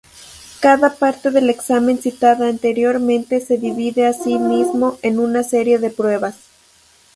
Cada parte del examen citada anteriormente se divide asimismo en una serie de pruebas.